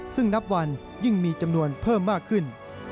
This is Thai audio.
ซึ่งนับวันยิ่งมีจำนวนเพิ่มมากขึ้น